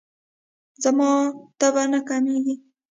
زما تبه نه کمیږي.